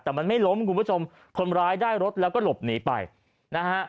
แต่มันไม่ล้มคุณผู้ชมคนร้ายได้รถแล้วก็หลบหนีไปนะฮะ